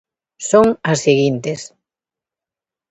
Son as seguintes.